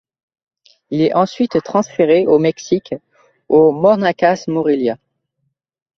Il est ensuite transféré au Mexique, au Monarcas Morelia.